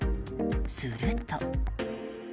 すると。